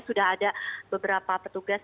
sudah ada beberapa petugas